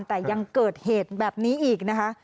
แต่ยังเกิดเหตุแบบนี้อีกนะคะ